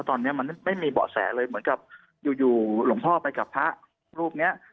ตอนนี้มันไม่มีเบาะแสเลยเหมือนกับอยู่หลวงพ่อไปกับพระรูปนี้